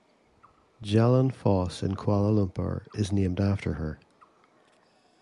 Jalan Foss in Kuala Lumpur is named after her.